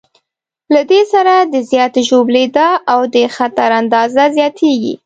له دې سره د زیاتې ژوبلېدا او د خطر اندازه زیاتېږي.